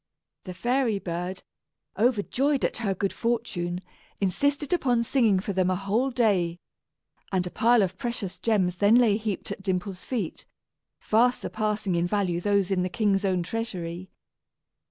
The fairy bird, overjoyed at her good fortune, insisted upon singing for them a whole day, and a pile of precious gems then lay heaped at Dimple's feet, far surpassing in value those in the king's own treasury.